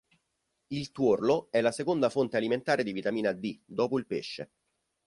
Il tuorlo è la seconda fonte alimentare di vitamina D, dopo il pesce.